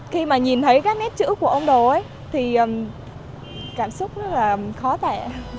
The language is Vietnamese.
khi mà nhìn thấy các nét chữ của âm đồ ấy thì cảm xúc rất là khó tẻ